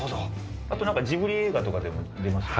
あとなんかジブリ映画とかでも出ますよね。